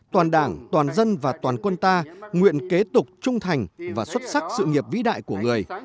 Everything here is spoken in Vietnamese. toàn đảng toàn dân và toàn quân ta nguyện kế tục trung thành và xuất sắc sự nghiệp vĩ đại của người